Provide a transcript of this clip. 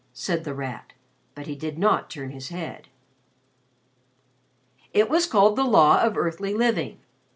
said The Rat, but he did not turn his head. "It was called the Law of Earthly Living.